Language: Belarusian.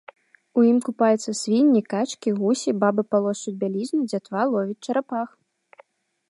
У ім купаюцца свінні, качкі, гусі, бабы палошчуць бялізну, дзятва ловіць чарапах!